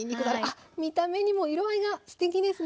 あっ見た目にも色合いがすてきですね。